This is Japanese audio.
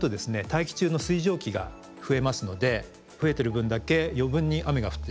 大気中の水蒸気が増えますので増えてる分だけ余分に雨が降ってしまう。